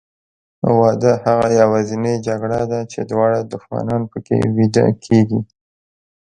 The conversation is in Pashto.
واده هغه یوازینۍ جګړه ده چې دواړه دښمنان پکې بیده کېږي.